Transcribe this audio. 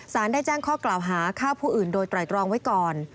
ได้แจ้งข้อกล่าวหาฆ่าผู้อื่นโดยไตรตรองไว้ก่อน